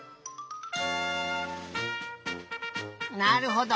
なるほど。